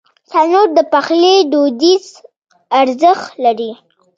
تنور د پخلي دودیز ارزښت لري